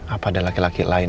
apa ada laki laki lain